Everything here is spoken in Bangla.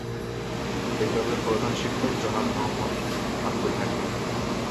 বিদ্যালয়ের প্রধান শিক্ষক জনাব মোহাম্মদ আব্দুল হাকিম।